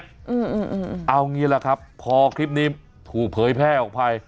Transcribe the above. อืออืออือเอางี้แหละครับพอคลิปนี้เผยแพร่ออกไป